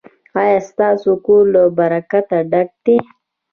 ایا ستاسو کور له برکت ډک دی؟